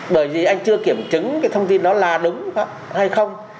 bởi vì anh chưa kiểm chứng cái thông tin đó là đúng hay không